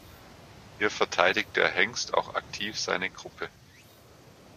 Hier verteidigt der Hengst auch aktiv seine Gruppe.